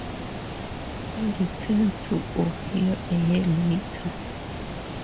He returned to Ohio a year later.